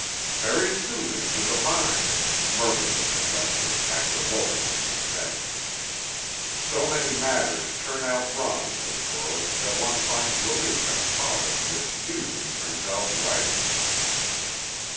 "Very soothing to the mind," murmured the professor, after welcoming his guest. "So many matters turn out wrong in this world that one finds relief in a problem which usually turns out right."